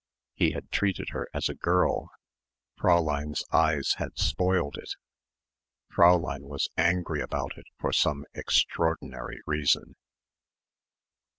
He had treated her as a girl. Fräulein's eyes had spoiled it. Fräulein was angry about it for some extraordinary reason.